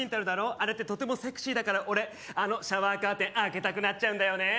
あれってとてもセクシーだから俺あのシャワーカーテン開けたくなっちゃうんだよね